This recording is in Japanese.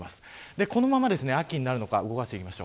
このまま秋になるのか動かしていきます。